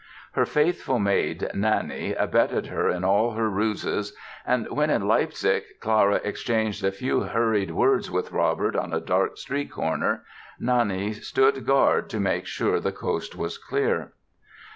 Her faithful maid, Nanny, abetted her in all her ruses and when, in Leipzig, Clara exchanged a few hurried words with Robert on a dark street corner Nanny stood guard to make sure the coast was clear.